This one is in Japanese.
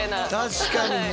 確かにね。